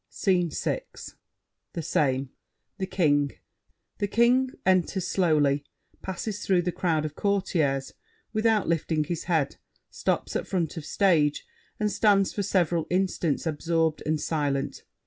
SCENE VI The same. The King. The King enters slowly, passes through the crowd of Courtiers, without lifting his head, stops at front of stage, and stands for several instants absorbed and silent.